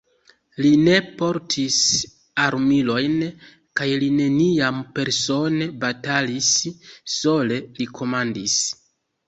Li ne portis armilojn kaj li neniam persone batalis, sole li komandis.